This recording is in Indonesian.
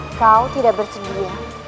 apakah kau tidak bersedia